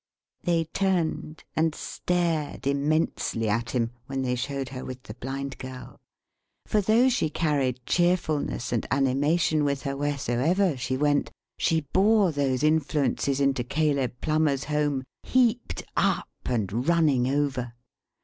They turned, and stared immensely at him when they showed her with the Blind Girl; for though she carried cheerfulness and animation with her, wheresoever she went, she bore those influences into Caleb Plummer's home, heaped up and running over.